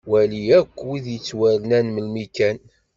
Wali akk wid yettwarnan melmi kan.